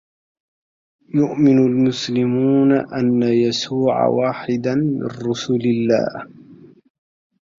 يؤمن المسلمون أنّ يسوع واحد من رسل الله.